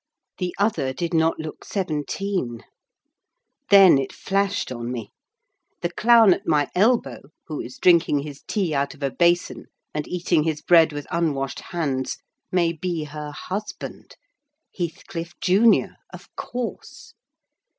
The other did not look seventeen. Then it flashed upon me—"The clown at my elbow, who is drinking his tea out of a basin and eating his bread with unwashed hands, may be her husband: Heathcliff junior, of course.